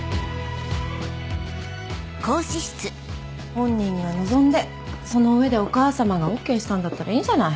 本人が望んでその上でお母様がＯＫしたんだったらいいんじゃない。